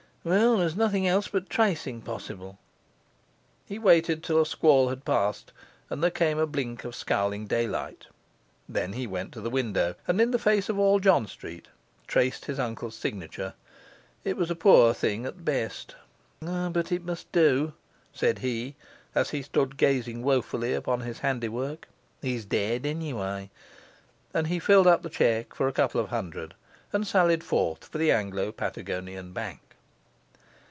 'Well, there's nothing else but tracing possible.' He waited till a squall had passed and there came a blink of scowling daylight. Then he went to the window, and in the face of all John Street traced his uncle's signature. It was a poor thing at the best. 'But it must do,' said he, as he stood gazing woefully on his handiwork. 'He's dead, anyway.' And he filled up the cheque for a couple of hundred and sallied forth for the Anglo Patagonian Bank.